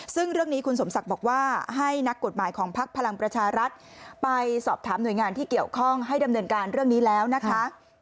ซึ่งเรื่องนี้คุณสมศักดิ์บอกว่าให้นักกฎหมายของพักพลังประชารัฐไปสอบถามหน่วยงานที่เกี่ยวข้องให้ดำเนินการเรื่องนี้แล้วนะคะ